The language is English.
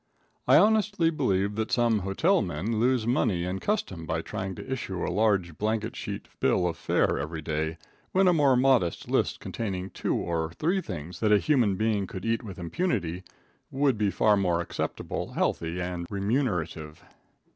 I honestly believe that some hotel men lose money and custom by trying to issue a large blanket sheet bill of fare every day, when a more modest list containing two or three things that a human being could eat with impunity would be far more acceptable, healthy and remunerative.